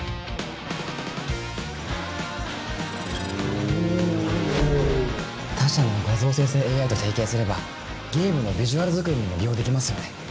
おお他社の画像生成ＡＩと提携すればゲームのビジュアル作りにも利用できますよね？